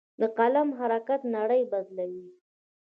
د قلم حرکت نړۍ بدلوي.